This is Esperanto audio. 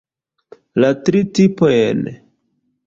La tri tipojn.